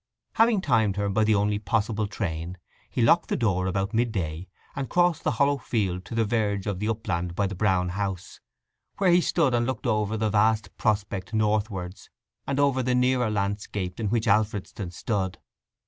Having timed her by her only possible train, he locked the door about mid day, and crossed the hollow field to the verge of the upland by the Brown House, where he stood and looked over the vast prospect northwards, and over the nearer landscape in which Alfredston stood.